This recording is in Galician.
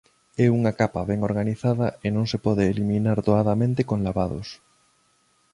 É unha capa ben organizada e non se pode eliminar doadamente con lavados.